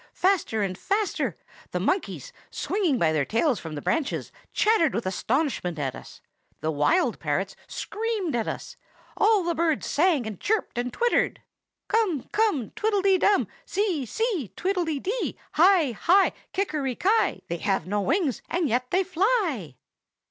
faster and faster! The monkeys, swinging by their tails from the branches, chattered with astonishment at us; the wild parrots screamed at us; all the birds sang and chirped and twittered,— 'Come! come! tweedle dee dum! See! see! tweedle de dee! Hi! hi! kikeriki! They have no wings, and yet they fly.